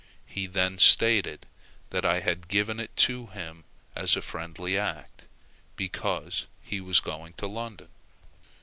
He then stated that I had given it to him as a friendly act, because he was going to London.